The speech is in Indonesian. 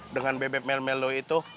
dengan bebek melmel lo itu